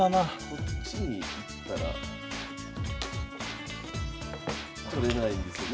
こっちにいったら取れないですよね。